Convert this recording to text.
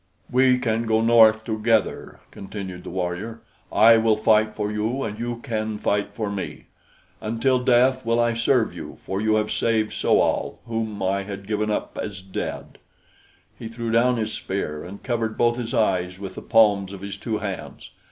"We can go north together," continued the warrior. "I will fight for you, and you can fight for me. Until death will I serve you, for you have saved So al, whom I had given up as dead." He threw down his spear and covered both his eyes with the palms of his two hands.